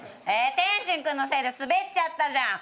天心君のせいでスベっちゃったじゃん。